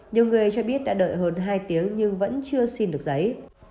nhiều người cho biết đã đợi hơn hai tiếng nhưng vẫn chưa xin được giấy